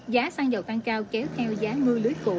giá xăng dầu tăng cao kéo theo giá mưa lưới phụ